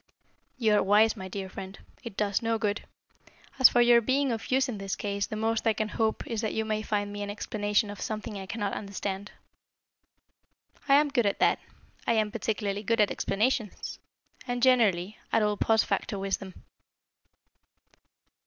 "You are wise, my dear friend. It does no good. As for your being of use in this case, the most I can hope is that you may find me an explanation of something I cannot understand." "I am good at that. I am particularly good at explanations and, generally, at all post facto wisdom."